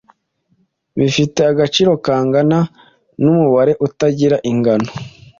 bifite agaciro kangana numubare utagira ingano